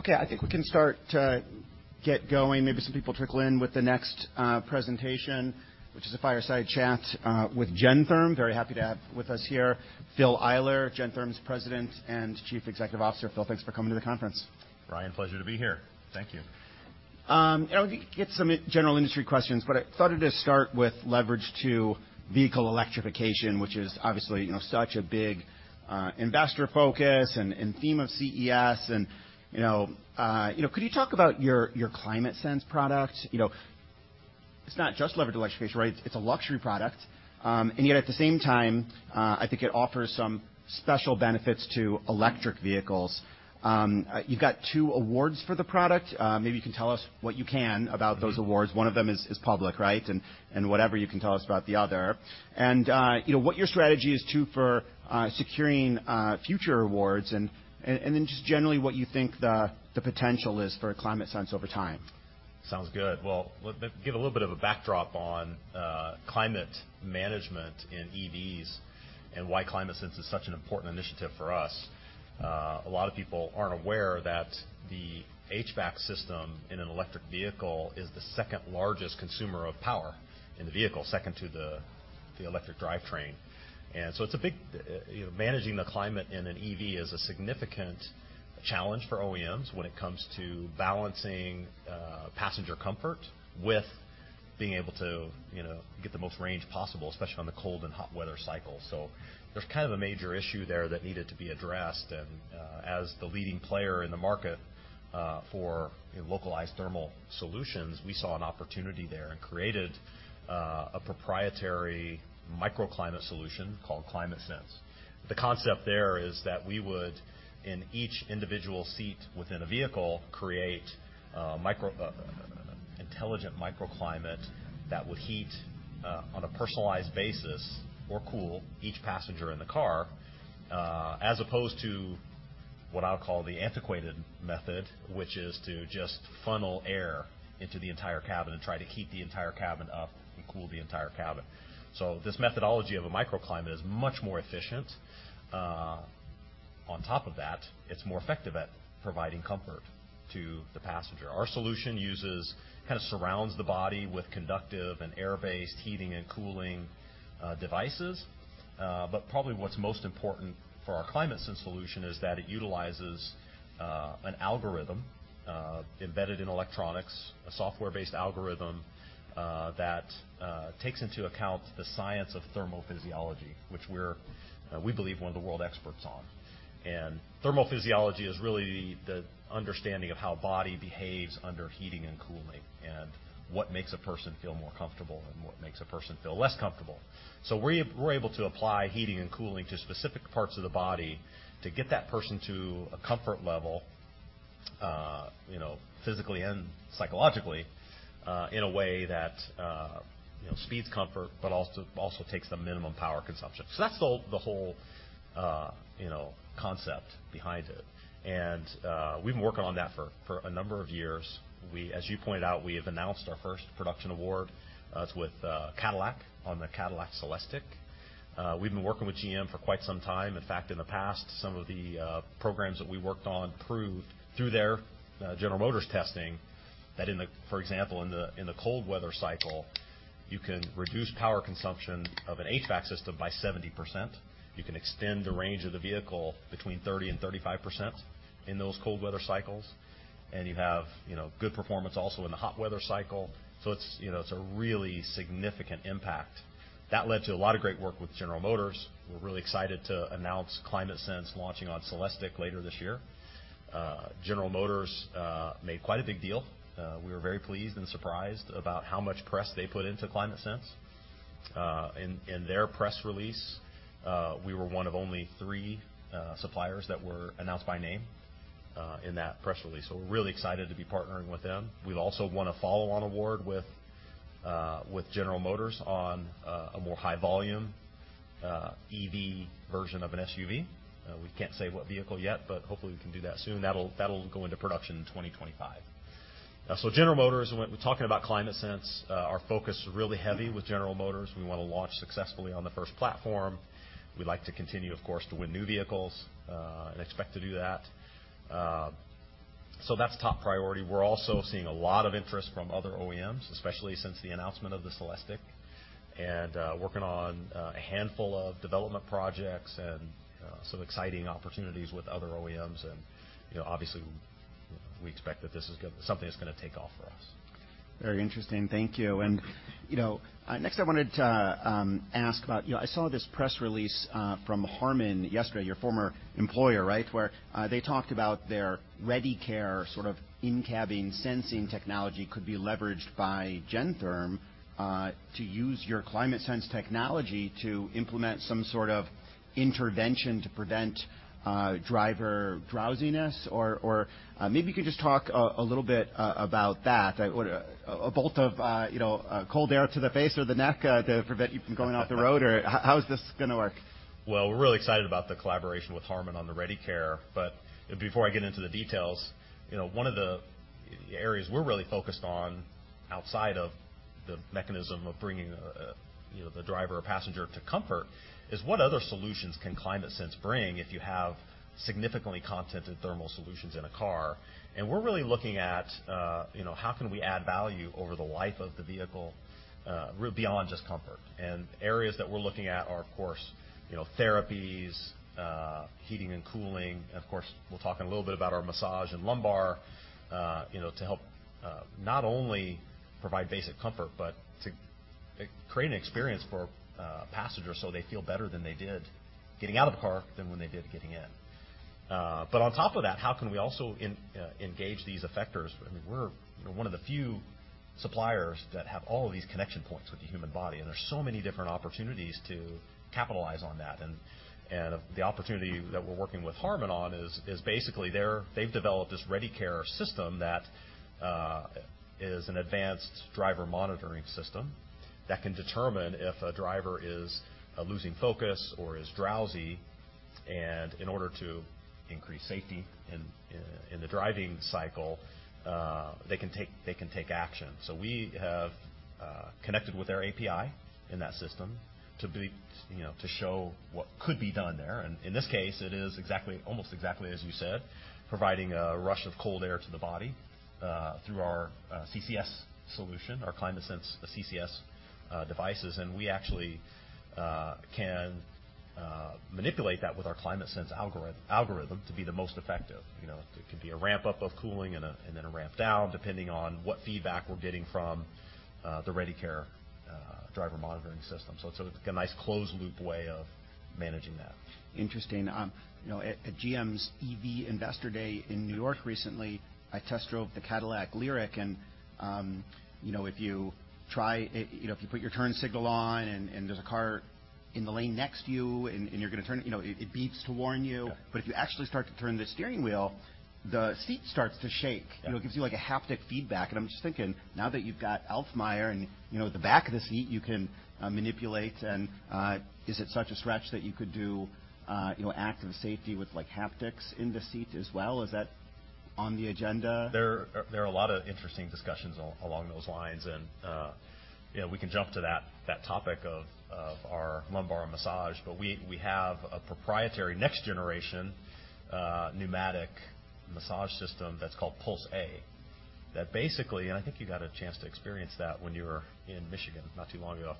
Okay, I think we can start to get going, maybe some people trickle in with the next presentation, which is a fireside chat with Gentherm. Very happy to have with us here, Phil Eyler, Gentherm's President and Chief Executive Officer. Phil, thanks for coming to the conference. Ryan, pleasure to be here. Thank you. I'll get some general industry questions, but I thought I'd just start with leverage to vehicle electrification, which is obviously, you know, such a big investor focus and theme of CES and, you know, could you talk about your ClimateSense® product? You know, it's not just levered electrification, right? It's a luxury product. Yet at the same time, I think it offers some special benefits to electric vehicles. You've got two awards for the product. Maybe you can tell us what you can about those awards. One of them is public, right? Whatever you can tell us about the other. You know, what your strategy is, too, for securing future awards and then just generally what you think the potential is for ClimateSense® over time. Sounds good. Well, let me give a little bit of a backdrop on climate management in EVs and why ClimateSense® is such an important initiative for us. A lot of people aren't aware that the HVAC system in an electric vehicle is the second largest consumer of power in the vehicle, second to the electric drivetrain. It's a big, you know, managing the climate in an EV is a significant challenge for OEMs when it comes to balancing passenger comfort with being able to, you know, get the most range possible, especially on the cold and hot weather cycle. There's kind of a major issue there that needed to be addressed. As the leading player in the market for localized thermal solutions, we saw an opportunity there and created a proprietary microclimate solution called ClimateSense®. The concept there is that we would, in each individual seat within a vehicle, create an intelligent microclimate that would heat on a personalized basis or cool each passenger in the car as opposed to what I'll call the antiquated method, which is to just funnel air into the entire cabin and try to heat the entire cabin up and cool the entire cabin. This methodology of a microclimate is much more efficient. On top of that, it's more effective at providing comfort to the passenger. Our solution kind of surrounds the body with conductive and air-based heating and cooling devices. But probably what's most important for our ClimateSense® solution is that it utilizes an algorithm embedded in electronics, a software-based algorithm, that takes into account the science of thermal physiology, which we're, we believe one of the world experts on. Thermal physiology is really the understanding of how body behaves under heating and cooling and what makes a person feel more comfortable and what makes a person feel less comfortable. We're able to apply heating and cooling to specific parts of the body to get that person to a comfort level, you know, physically and psychologically, in a way that, you know, speeds comfort, but also takes the minimum power consumption. That's the whole, you know, concept behind it. We've been working on that for a number of years. As you pointed out, we have announced our first production award with Cadillac on the Cadillac CELESTIQ. We've been working with GM for quite some time. In fact, in the past, some of the programs that we worked on proved through their General Motors testing that for example, in the cold weather cycle, you can reduce power consumption of an HVAC system by 70%. You can extend the range of the vehicle between 30% and 35% in those cold weather cycles. You have, you know, good performance also in the hot weather cycle. It's, you know, it's a really significant impact. That led to a lot of great work with General Motors. We're really excited to announce ClimateSense® launching on CELESTIQ later this year. General Motors made quite a big deal. We were very pleased and surprised about how much press they put into ClimateSense®. In their press release, we were one of only three suppliers that were announced by name in that press release. We're really excited to be partnering with them. We also won a follow-on award with General Motors on a more high volume EV version of an SUV. We can't say what vehicle yet, but hopefully we can do that soon. That'll go into production in 2025. General Motors, when we're talking about ClimateSense®, our focus is really heavy with General Motors. We wanna launch successfully on the first platform. We'd like to continue, of course, to win new vehicles and expect to do that. That's top priority. We're also seeing a lot of interest from other OEMs, especially since the announcement of the CELESTIQ and working on a handful of development projects and some exciting opportunities with other OEMs. You know, obviously we expect that this is something that's gonna take off for us. Very interesting. Thank you. You know, next I wanted to ask about. You know, I saw this press release from Harman yesterday, your former employer, right? Where they talked about their ReadyCare sort of in-cabin sensing technology could be leveraged by Gentherm to use your ClimateSense® technology to implement some sort of intervention to prevent driver drowsiness. Maybe you could just talk a little bit about that? A bolt of, you know, cold air to the face or the neck to prevent you from going off the road. How is this gonna work? We're really excited about the collaboration with Harman on the ReadyCare. Before I get into the details, you know, The areas we're really focused on outside of the mechanism of bringing, you know, the driver or passenger to comfort is what other solutions can ClimateSense® bring if you have significantly content in thermal solutions in a car. We're really looking at, you know, how can we add value over the life of the vehicle, beyond just comfort. Areas that we're looking at are, of course, you know, therapies, heating and cooling. Of course, we'll talk a little bit about our massage and lumbar, you know, to help not only provide basic comfort, but to create an experience for passengers so they feel better than they did getting out of the car than when they did getting in. On top of that, how can we also engage these effectors? I mean, we're, you know, one of the few suppliers that have all of these connection points with the human body, and there's so many different opportunities to capitalize on that. The opportunity that we're working with Harman on is basically they've developed this ReadyCare system that is an advanced driver monitoring system that can determine if a driver is losing focus or is drowsy. In order to increase safety in the driving cycle, they can take action. We have connected with their API in that system to be, you know, to show what could be done there. In this case, it is almost exactly as you said, providing a rush of cold air to the body, through our CCS solution, our ClimateSense® CCS devices. We actually can manipulate that with our ClimateSense® algorithm to be the most effective. You know, it could be a ramp-up of cooling and then a ramp down, depending on what feedback we're getting from the ReadyCare driver monitoring system. It's like a nice closed loop way of managing that. Interesting. You know, at GM's EV Investor Day in New York recently, I test drove the Cadillac Lyriq, and, you know, if you try, you know, if you put your turn signal on and there's a car in the lane next to you and you're gonna turn, you know, it beeps to warn you. If you actually start to turn the steering wheel, the seat starts to shake. You know, it gives you, like, a haptic feedback. I'm just thinking, now that you've got Alfmeier and, you know, the back of the seat you can manipulate and is it such a stretch that you could do, you know, active safety with, like, haptics in the seat as well? Is that on the agenda? There are a lot of interesting discussions along those lines. you know, we can jump to that topic of our lumbar massage. We have a proprietary next generation pneumatic massage system that's called Puls.A that basically, i think you got a chance to experience that when you were in Michigan not too long ago.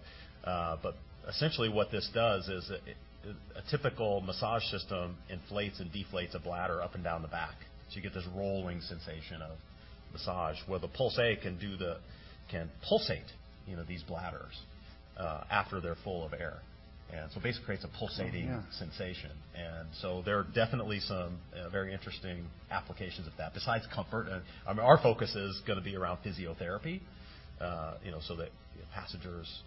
Essentially what this does is a typical massage system inflates and deflates a bladder up and down the back. You get this rolling sensation of massage, where the Puls.A can pulsate, you know, these bladders after they're full of air. Basically creates a pulsating sensation. There are definitely some very interesting applications of that besides comfort. I mean, our focus is gonna be around physiotherapy, you know, so that passengers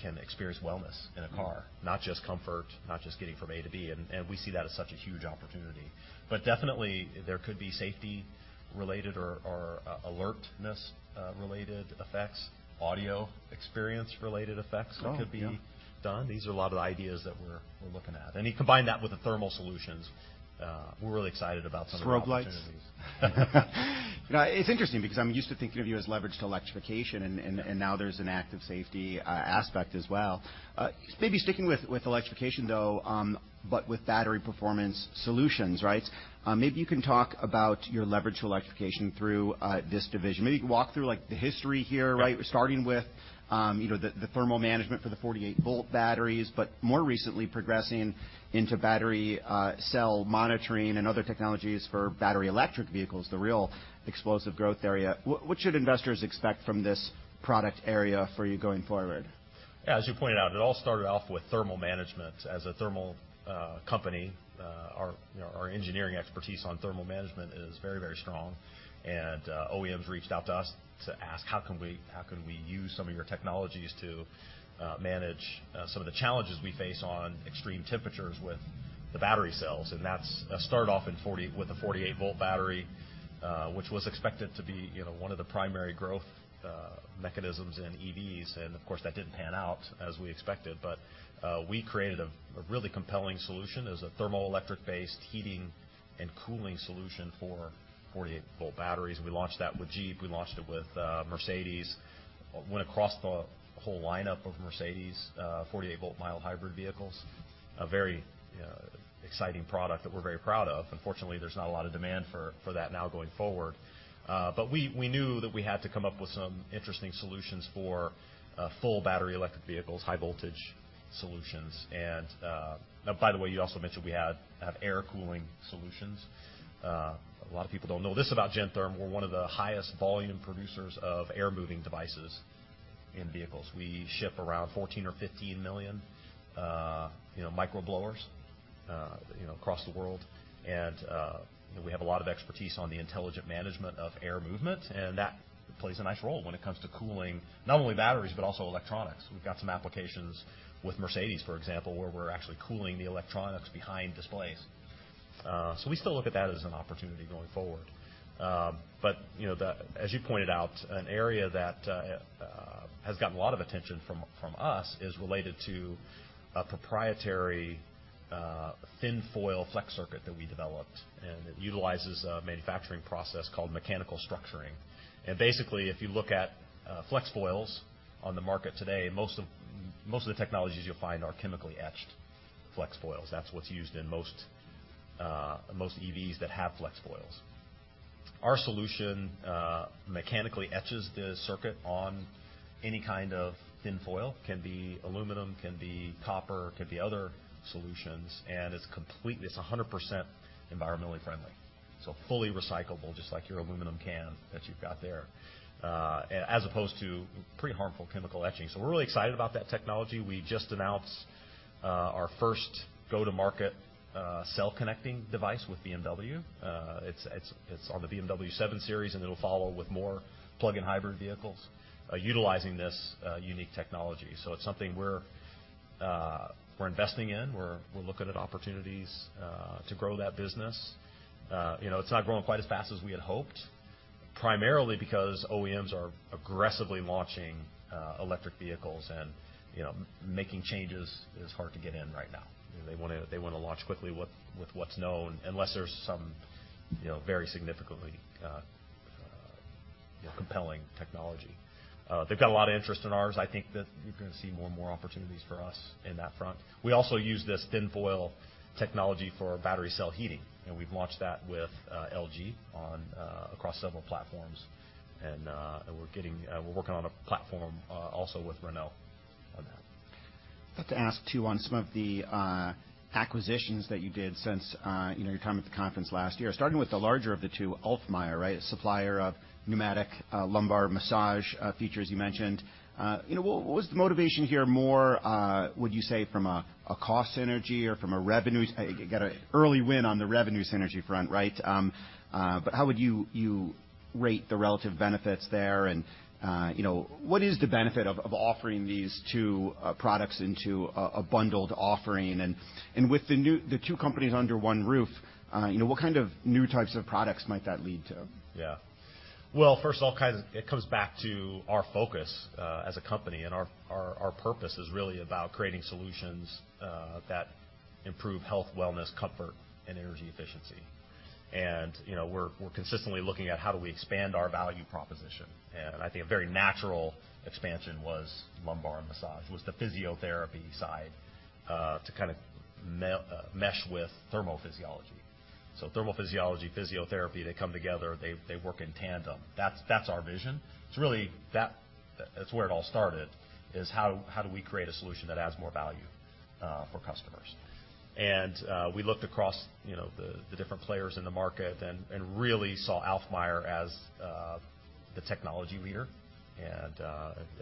can experience wellness in a car. Not just comfort, not just getting from A to B. We see that as such a huge opportunity. Definitely there could be safety related or alertness related effects, audio experience related effects that could be done. These are a lot of the ideas that we're looking at. You combine that with the thermal solutions, we're really excited about some of the opportunities. Strobe lights. You know, it's interesting because I'm used to thinking of you as leverage to electrification, and now there's an active safety aspect as well. Maybe sticking with electrification, though, but with battery performance solutions, right? Maybe you can talk about your leverage to electrification through this division. Maybe you can walk through, like, the history here, right? Starting with, you know, the thermal management for the 48-volt batteries, but more recently progressing into battery, cell monitoring and other technologies for battery electric vehicles, the real explosive growth area. What should investors expect from this product area for you going forward? As you pointed out, it all started off with thermal management. As a thermal company, our, you know, our engineering expertise on thermal management is very, very strong. OEMs reached out to us to ask: How can we use some of your technologies to manage some of the challenges we face on extreme temperatures with the battery cells? That's started off with the 48-volt battery, which was expected to be, you know, one of the primary growth mechanisms in EVs. Of course, that didn't pan out as we expected, but we created a really compelling solution. It was a thermoelectric-based heating and cooling solution for 48-volt batteries. We launched that with Jeep. We launched it with Mercedes. Went across the whole lineup of Mercedes 48-volt mild hybrid vehicles. A very exciting product that we're very proud of. Unfortunately, there's not a lot of demand for that now going forward. We knew that we had to come up with some interesting solutions for full battery electric vehicles, high voltage solutions. By the way, you also mentioned we have air cooling solutions. A lot of people don't know this about Gentherm. We're one of the highest volume producers of air moving devices in vehicles. We ship around 14 or 15 million, you know, micro blowers, you know, across the world. You know, we have a lot of expertise on the intelligent management of air movement, and that plays a nice role when it comes to cooling not only batteries, but also electronics. We've got some applications with Mercedes, for example, where we're actually cooling the electronics behind displays. We still look at that as an opportunity going forward. You know, as you pointed out, an area that has gotten a lot of attention from us is related to a thin foil flex circuit that we developed, and it utilizes a manufacturing process called Mechanical Structuring. Basically, if you look at flex foils on the market today, most of the technologies you'll find are chemically etched flex foils. That's what's used in most EVs that have flex foils. Our solution mechanically etches the circuit on any kind of thin foil. Can be aluminum, can be copper, could be other solutions, and it's 100% environmentally friendly. Fully recyclable, just like your aluminum can that you've got there, as opposed to pretty harmful chemical etching. We're really excited about that technology. We just announced our first go-to-market cell connecting device with BMW. It's on the BMW 7 Series, and it'll follow with more plug-in hybrid vehicles utilizing this unique technology. It's something we're investing in. We're looking at opportunities to grow that business. You know, it's not growing quite as fast as we had hoped, primarily because OEMs are aggressively launching electric vehicles, and, you know, making changes is hard to get in right now. They wanna launch quickly with what's known, unless there's some, you know, very significantly, you know, compelling technology. They've got a lot of interest in ours. I think that you're gonna see more and more opportunities for us in that front. We also use this thin foil technology for battery cell heating. We've launched that with LG on across several platforms. We're working on a platform also with Renault on that. I'd like to ask, too, on some of the acquisitions that you did since, you know, your time at the conference last year, starting with the larger of the two, Alfmeier, right? A supplier of pneumatic lumbar massage features you mentioned. You know, what was the motivation here more, would you say from a cost synergy or from a revenue? You got an early win on the revenue synergy front, right? How would you rate the relative benefits there? You know, what is the benefit of offering these two products into a bundled offering? With the two companies under one roof, you know, what kind of new types of products might that lead to? Yeah. Well, first of all, kind of, it comes back to our focus as a company, and our purpose is really about creating solutions that improve health, wellness, comfort, and energy efficiency. You know, we're consistently looking at how do we expand our value proposition. I think a very natural expansion was lumbar massage. It was the physiotherapy side to kind of mesh with thermal physiology. Thermal physiology, physiotherapy, they come together. They, they work in tandem. That's, that's our vision. It's really that's where it all started, is how do we create a solution that adds more value for customers? We looked across, you know, the different players in the market and really saw Alfmeier as the technology leader.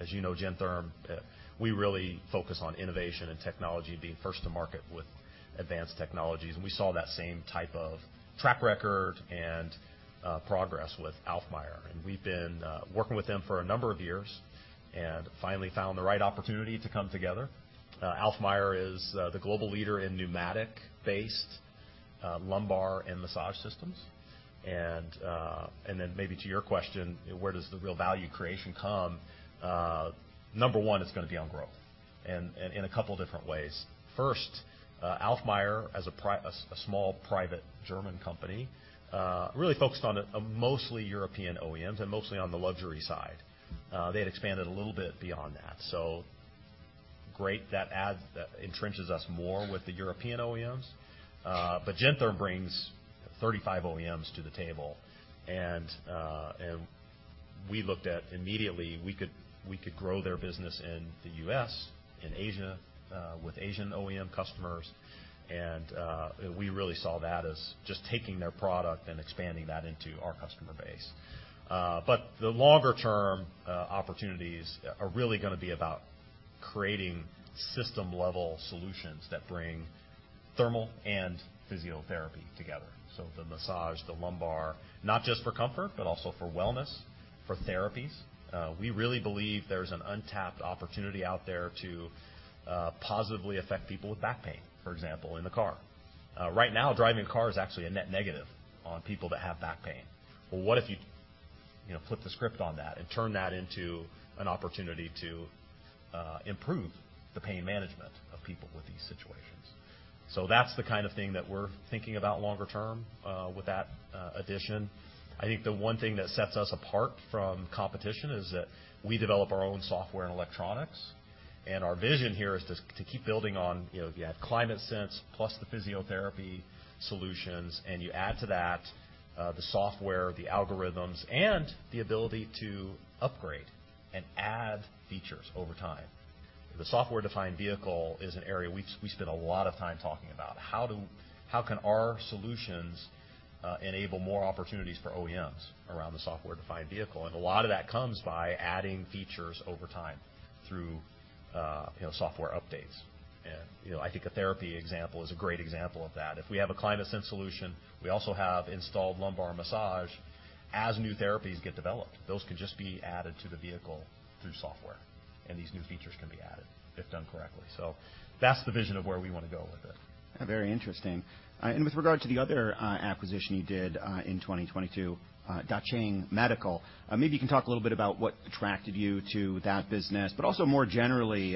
As you know, Gentherm, we really focus on innovation and technology, being first to market with advanced technologies. We saw that same type of track record and progress with Alfmeier. We've been working with them for a number of years and finally found the right opportunity to come together. Alfmeier is the global leader in pneumatic-based lumbar and massage systems. Then maybe to your question, where does the real value creation come? Number one, it's gonna be on growth and in a couple different ways. First, Alfmeier, as a small private German company, really focused on a mostly European OEMs and mostly on the luxury side. They had expanded a little bit beyond that. Great, that adds, entrenches us more with the European OEMs. Gentherm brings 35 OEMs to the table. We looked at immediately, we could grow their business in the U.S., in Asia, with Asian OEM customers. We really saw that as just taking their product and expanding that into our customer base. The longer-term opportunities are really gonna be about creating system-level solutions that bring thermal and physiotherapy together. The massage, the lumbar, not just for comfort, but also for wellness, for therapies. We really believe there's an untapped opportunity out there to positively affect people with back pain, for example, in the car. Right now driving a car is actually a net negative on people that have back pain. Well, what if you know, flip the script on that and turn that into an opportunity to improve the pain management of people with these situations? That's the kind of thing that we're thinking about longer term with that addition. I think the one thing that sets us apart from competition is that we develop our own software and electronics and our vision here is to keep building on, you know, you have ClimateSense® plus the physiotherapy solutions, and you add to that the software, the algorithms, and the ability to upgrade and add features over time. The software-defined vehicle is an area we spend a lot of time talking about. How can our solutions enable more opportunities for OEMs around the software-defined vehicle? A lot of that comes by adding features over time through, you know, software updates. You know, I think a therapy example is a great example of that. If we have a ClimateSense® solution, we also have installed lumbar massage. As new therapies get developed, those can just be added to the vehicle through software, and these new features can be added if done correctly. That's the vision of where we wanna go with it. Very interesting. With regard to the other acquisition you did in 2022, Dacheng Medical, maybe you can talk a little bit about what attracted you to that business, but also more generally,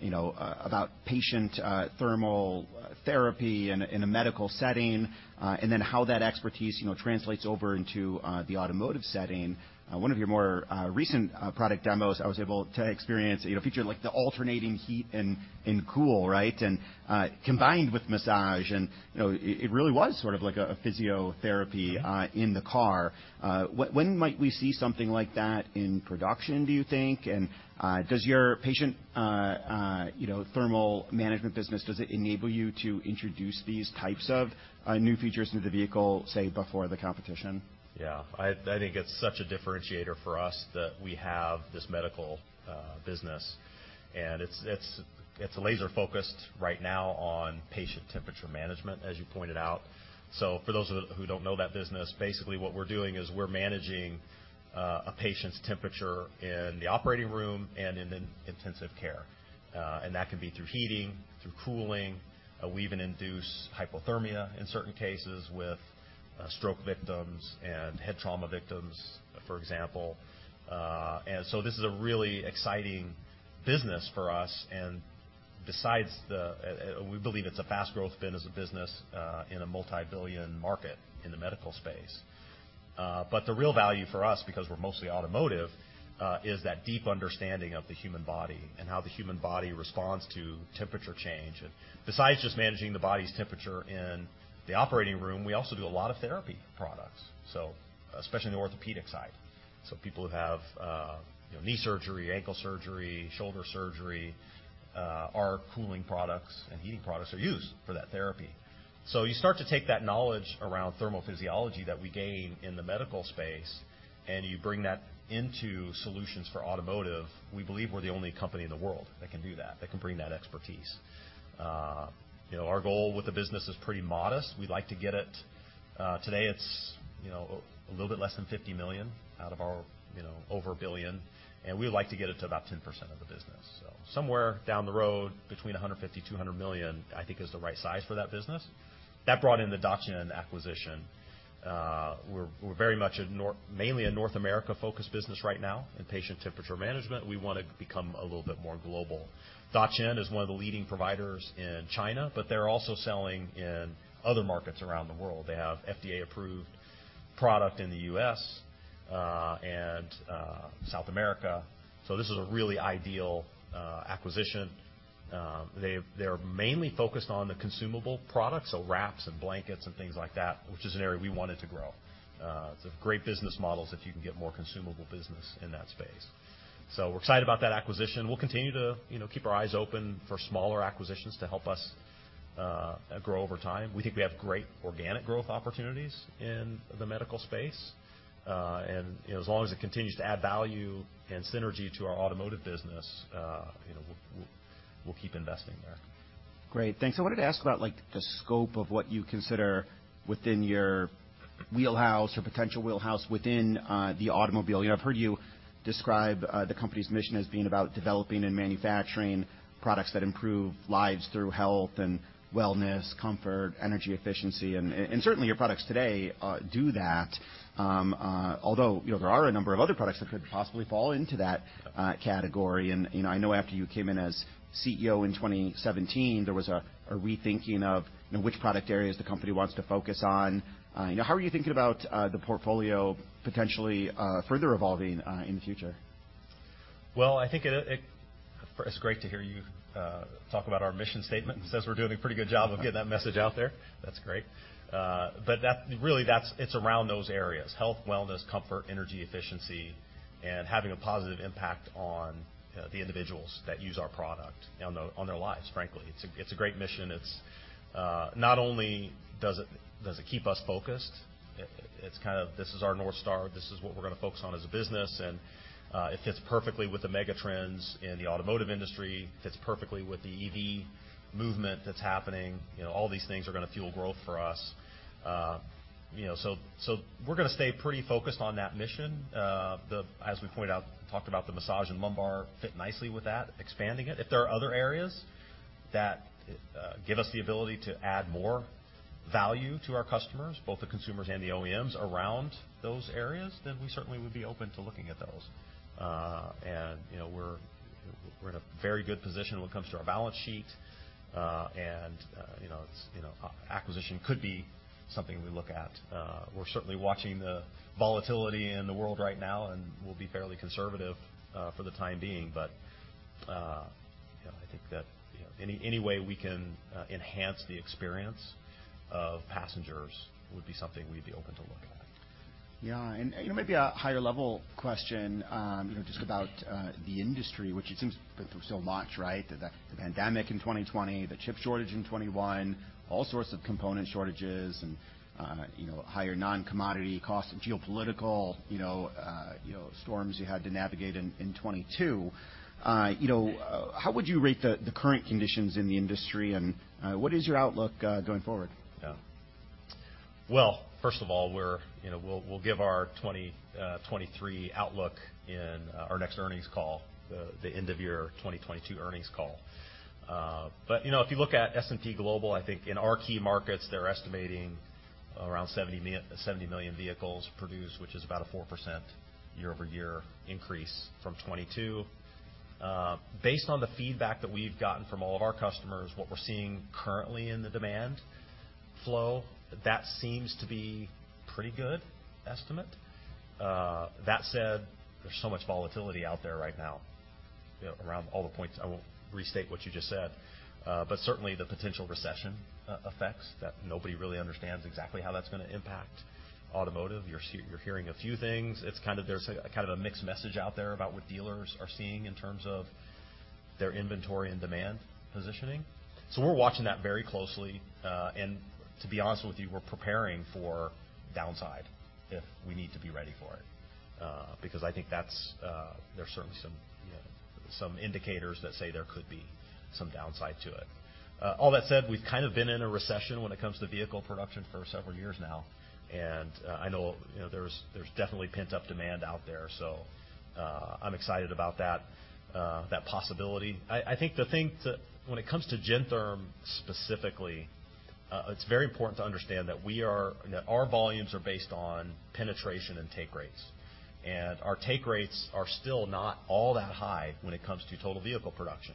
you know, about patient thermal therapy in a medical setting, and then how that expertise, you know, translates over into the automotive setting. One of your more recent product demos I was able to experience, you know, featured, like, the alternating heat and cool, right? And combined with massage and, you know, it really was sort of like a physiotherapy in the car. When, when might we see something like that in production, do you think? Does your patient, you know, thermal management business, does it enable you to introduce these types of new features to the vehicle, say, before the competition? Yeah. I think it's such a differentiator for us that we have this medical business, and it's laser-focused right now on patient temperature management, as you pointed out. For those of who don't know that business, basically what we're doing is we're managing a patient's temperature in the operating room and in intensive care, and that can be through heating, through cooling. We even induce hypothermia in certain cases with stroke victims and head trauma victims, for example. This is a really exciting business for us, and besides, we believe it's a fast growth been as a business in a multi-billion market in the medical space. The real value for us, because we're mostly automotive, is that deep understanding of the human body and how the human body responds to temperature change. Besides just managing the body's temperature in the operating room, we also do a lot of therapy products, so especially in the orthopedic side. People who have, you know, knee surgery, ankle surgery, shoulder surgery, our cooling products and heating products are used for that therapy. You start to take that knowledge around thermal physiology that we gain in the medical space, and you bring that into solutions for automotive. We believe we're the only company in the world that can do that can bring that expertise. You know, our goal with the business is pretty modest. We'd like to get it. Today it's, you know, a little bit less than $50 million out of our, you know, over $1 billion, and we'd like to get it to about 10% of the business. Somewhere down the road between $150 million-$200 million, I think is the right size for that business. That brought in the Dacheng acquisition. We're very much a mainly a North America-focused business right now in patient temperature management. We wanna become a little bit more global. Dacheng is one of the leading providers in China, but they're also selling in other markets around the world. They have FDA-approved product in the U.S. and South America, this is a really ideal acquisition. They're mainly focused on the consumable products, so wraps and blankets and things like that, which is an area we wanted to grow. It's a great business models if you can get more consumable business in that space. We're excited about that acquisition. We'll continue to, you know, keep our eyes open for smaller acquisitions to help us grow over time. We think we have great organic growth opportunities in the medical space, you know, as long as it continues to add value and synergy to our automotive business, you know, we'll keep investing there. Great. Thanks. I wanted to ask about, like, the scope of what you consider within your wheelhouse or potential wheelhouse within the automobile. You know, I've heard you describe the company's mission as being about developing and manufacturing products that improve lives through health and wellness, comfort, energy efficiency, and certainly your products today do that. Although, you know, there are a number of other products that could possibly fall into that category. You know, I know after you came in as CEO in 2017, there was a rethinking of, you know, which product areas the company wants to focus on. You know, how are you thinking about the portfolio potentially further evolving in the future? I think it's great to hear you talk about our mission statement. Says we're doing a pretty good job of getting that message out there. That's great. It's around those areas, health, wellness, comfort, energy efficiency, and having a positive impact on the individuals that use our product on their lives, frankly. It's a great mission. Not only does it keep us focused, it's kind of this is our North Star, this is what we're gonna focus on as a business, it fits perfectly with the mega trends in the automotive industry. Fits perfectly with the EV movement that's happening. You know, all these things are gonna fuel growth for us. You know, we're gonna stay pretty focused on that mission. As we pointed out, talked about the massage and lumbar fit nicely with that, expanding it. If there are other areas that give us the ability to add more value to our customers, both the consumers and the OEMs around those areas, then we certainly would be open to looking at those. You know, we're in a very good position when it comes to our balance sheet. You know, it's, you know, acquisition could be something we look at. We're certainly watching the volatility in the world right now, and we'll be fairly conservative for the time being. You know, I think that, you know, any way we can enhance the experience of passengers would be something we'd be open to looking at. Yeah. You know, maybe a higher level question, you know, just about the industry, which it seems been through so much, right? The pandemic in 2020, the chip shortage in 2021, all sorts of component shortages and, you know, higher non-commodity costs and geopolitical, you know, storms you had to navigate in 2022. You know, how would you rate the current conditions in the industry, and what is your outlook going forward? Well, first of all, we're, you know, we'll give our 2023 outlook in our next earnings call, the end of year 2022 earnings call. You know, if you look at S&P Global, I think in our key markets, they're estimating around 70 million vehicles produced, which is about a 4% year-over-year increase from 2022. Based on the feedback that we've gotten from all of our customers, what we're seeing currently in the demand flow, that seems to be pretty good estimate. That said, there's so much volatility out there right now, you know, around all the points. I won't restate what you just said. Certainly the potential recession, effects that nobody really understands exactly how that's gonna impact automotive. You're hearing a few things. It's kind of there's kind of a mixed message out there about what dealers are seeing in terms of their inventory and demand positioning. We're watching that very closely. To be honest with you, we're preparing for downside if we need to be ready for it. Because I think that's, there's certainly some, you know, some indicators that say there could be some downside to it. All that said, we've kind of been in a recession when it comes to vehicle production for several years now, I know, you know, there's definitely pent-up demand out there. I'm excited about that possibility. I think the thing that when it comes to Gentherm specifically, it's very important to understand that our volumes are based on penetration and take rates. Our take rates are still not all that high when it comes to total vehicle production.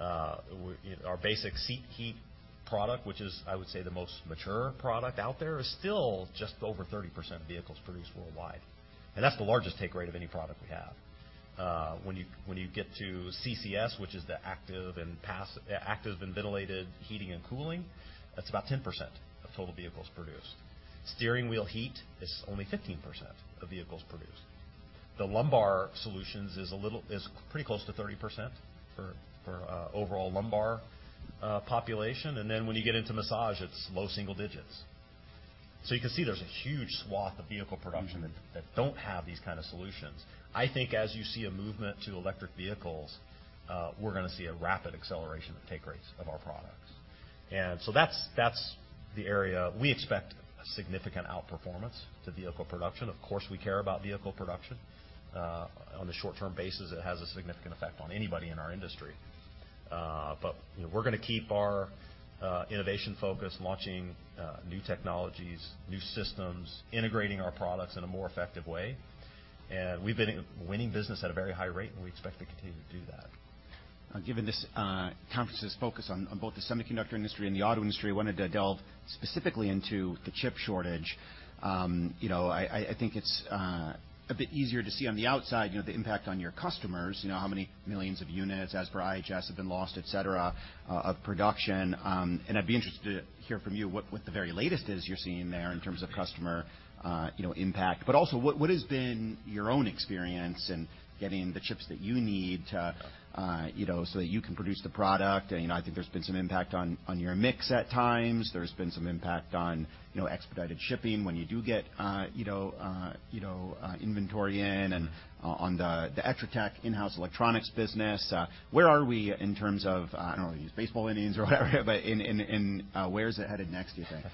Our basic seat heat product, which is, I would say, the most mature product out there, is still just over 30% of vehicles produced worldwide. That's the largest take rate of any product we have. When you get to CCS, which is the active and ventilated heating and cooling, that's about 10% of total vehicles produced. Steering wheel heat is only 15% of vehicles produced. The lumbar solutions is pretty close to 30% for overall lumbar population. When you get into massage, it's low single digits. You can see there's a huge swath of vehicle production that don't have these kind of solutions. I think as you see a movement to electric vehicles, we're going to see a rapid acceleration of take rates of our products. That's the area we expect a significant outperformance to vehicle production. Of course, we care about vehicle production. On the short-term basis, it has a significant effect on anybody in our industry. But, you know, we're going to keep our innovation focus, launching new technologies, new systems, integrating our products in a more effective way. We've been winning business at a very high rate, and we expect to continue to do that. Given this conference's focus on both the semiconductor industry and the auto industry, I wanted to delve specifically into the chip shortage. You know, I think it's a bit easier to see on the outside, you know, the impact on your customers, you know, how many millions of units as per IHS have been lost, et cetera, of production. I'd be interested to hear from you what the very latest is you're seeing there in terms of customer, you know, impact. Also, what has been your own experience in getting the chips that you need to, you know, so that you can produce the product? You know, I think there's been some impact on your mix at times. There's been some impact on, you know, expedited shipping when you do get, you know, you know, inventory in and the Etratech in-house electronics business. Where are we in terms of, I don't wanna use baseball innings or whatever, but in, where is it headed next, do you think?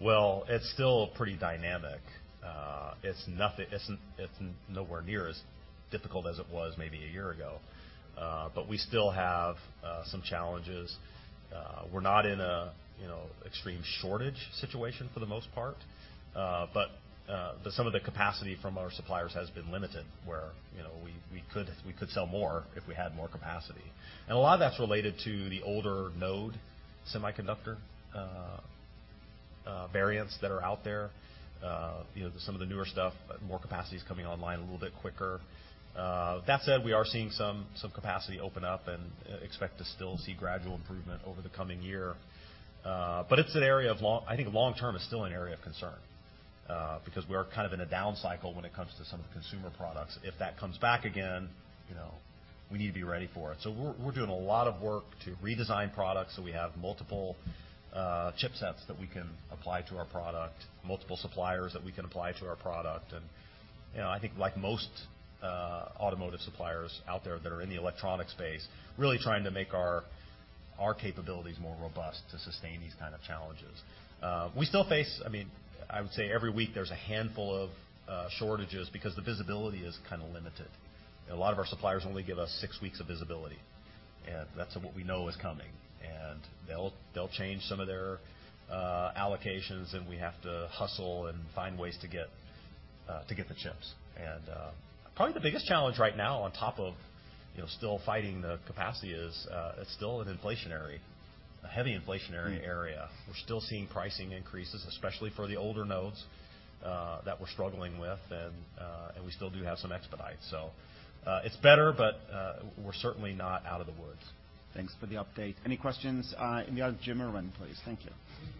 Well, it's still pretty dynamic. It's nowhere near as difficult as it was maybe a year ago. We still have some challenges. We're not in a, you know, extreme shortage situation for the most part. Some of the capacity from our suppliers has been limited, where, you know, we could sell more if we had more capacity. A lot of that's related to the mature node semiconductor variants that are out there. You know, some of the newer stuff, more capacity is coming online a little bit quicker. That said, we are seeing some capacity open up and expect to still see gradual improvement over the coming year. But it's an area of, I think long-term, it's still an area of concern, because we're kind of in a down cycle when it comes to some of the consumer products. If that comes back again, you know, we need to be ready for it. We're doing a lot of work to redesign products, so we have multiple chipsets that we can apply to our product, multiple suppliers that we can apply to our product. You know, I think like most automotive suppliers out there that are in the electronic space, really trying to make our capabilities more robust to sustain these kind of challenges. We still face. I mean, I would say every week there's a handful of shortages because the visibility is kind of limited. A lot of our suppliers only give us six weeks of visibility, that's what we know is coming. They'll change some of their allocations, and we have to hustle and find ways to get to get the chips. Probably the biggest challenge right now on top of, you know, still fighting the capacity is it's still an inflationary, a heavy inflationary area. We're still seeing pricing increases, especially for the older nodes that we're struggling with. We still do have some expedite. It's better, but we're certainly not out of the woods. Thanks for the update. Any questions? We have Jim Irwin, please. Thank you. Thank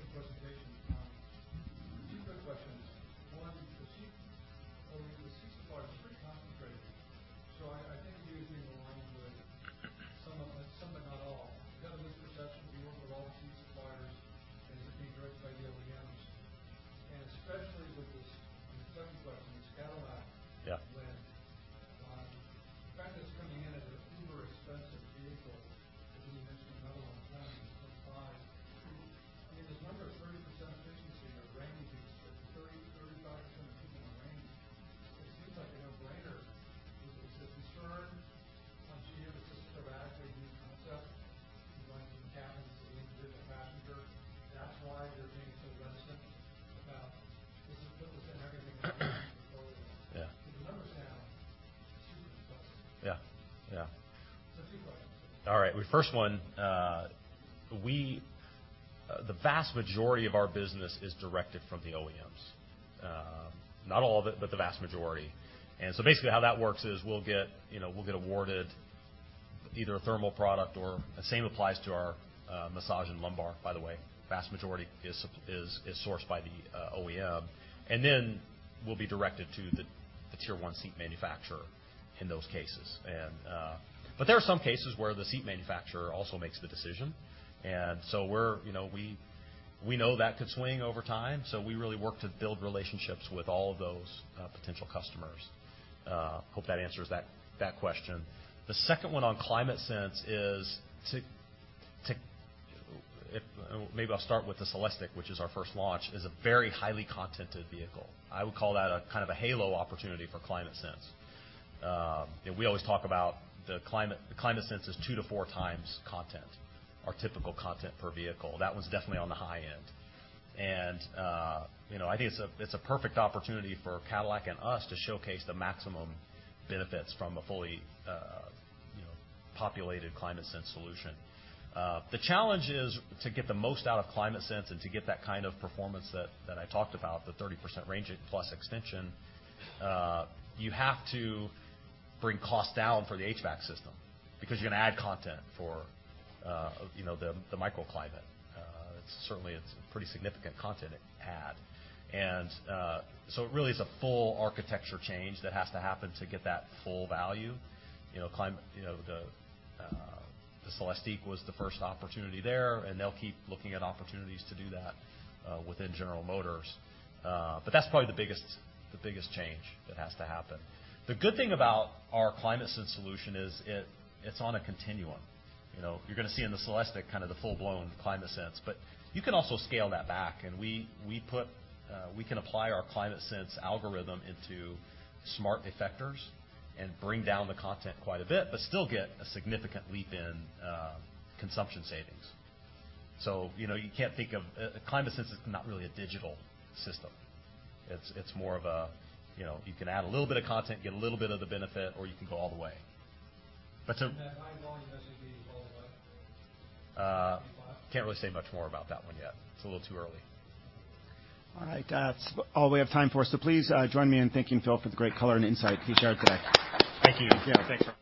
But there are some cases where the seat manufacturer also makes the decision. So we're, you know, we know that could swing over time, so we really work to build relationships with all of those potential customers. Hope that answers that question. The second one on ClimateSense® is to, maybe I'll start with the CELESTIQ which is our first launch is a very highly contented vehicle. I would call that a kind of a halo opportunity for ClimateSense®. you know, we always talk about the climate, the ClimateSense® is 2 to 4 times content, our typical content per vehicle. That one's definitely on the high end. you know, I think it's a perfect opportunity for Cadillac and us to showcase the maximum benefits from a fully, you know, populated ClimateSense® solution. The challenge is to get the most out of ClimateSense® and to get that kind of performance that I talked about, the 30% range plus extension, you have to bring costs down for the HVAC system because you're gonna add content for, you know, the microclimate. It's certainly a pretty significant content add. So it really is a full architecture change that has to happen to get that full value. You know, the CELESTIQ was the first opportunity there, and they'll keep looking at opportunities to do that within General Motors. But that's probably the biggest change that has to happen. The good thing about our ClimateSense® solution is it's on a continuum. You know, you're gonna see in the CELESTIQ kinda the full-blown ClimateSense®, but you can also scale that back. We put, we can apply our ClimateSense® algorithm into smart effectors and bring down the content quite a bit, but still get a significant leap in consumption savings. You know, ClimateSense® is not really a digital system. It's more of a, you know, you can add a little bit of content, get a little bit of the benefit, or you can go all the way. That high volume SUV is all electric? Can't really say much more about that one yet. It's a little too early. All right. That's all we have time for. Please, join me in thanking Phil for the great color and insight he shared today. Thank you. Yeah. Thanks.